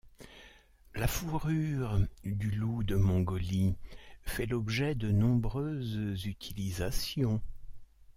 La fourrure du loup de Mongolie fait l'objet de nombreuses utilisations.